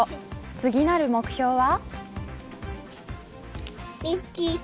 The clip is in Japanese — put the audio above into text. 次なる目標は。